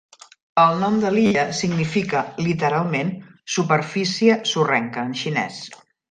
El nom de l'illa significa literalment "superfície sorrenca" en xinès.